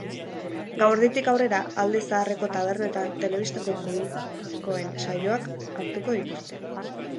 Gauerditik aurrera, alde zaharreko tabernetan telebistako komikoen saioak hartuko dituzte.